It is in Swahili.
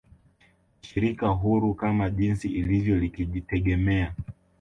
Ni Shirika huru kama jinsi ilivyo likijitegemea